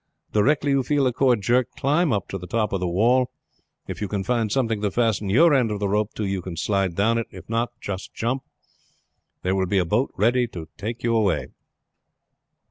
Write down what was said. Directly you feel the cord jerked climb up to the top of the wall. If you can find something to fasten your end of the rope to you can slide down it. If not, you must jump. There will be a boat ready to take you away.'